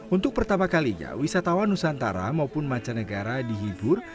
untuk pertama kalinya wisatawan nusantara maupun mancanegara dihibur